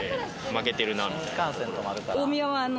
負けてるなみたいなところが。